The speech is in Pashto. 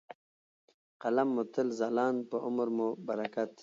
، قلم مو تل ځلاند په عمر مو برکت .